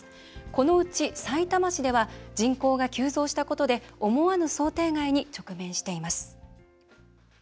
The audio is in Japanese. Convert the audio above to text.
このうち、さいたま市では人口が急増したことで思わぬ想定外に直面しています。